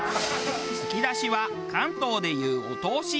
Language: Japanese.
つきだしは関東で言うお通し。